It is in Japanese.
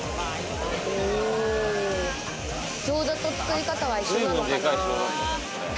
ギョーザと作り方は一緒なんですかね？